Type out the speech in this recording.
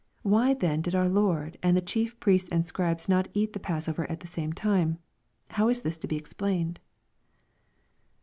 Why then did our Lord and the chie: priests and Scribes not eat the passover at the same time ? How is this to be explained